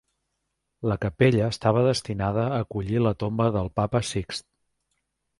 La capella estava destinada a acollir la tomba del papa Sixt.